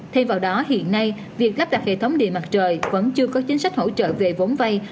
thay vào đó hiện nay việc lắp đặt hệ thống điện mặt trời vẫn chưa có chính sách hỗ trợ về vốn vay